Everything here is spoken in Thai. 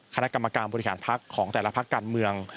คณะกรรมกรรมบริการภักดิ์ของแต่ละภักดิ์การเมือง